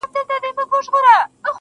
• ه ستا د غزل سور له تورو غرو را اوړي.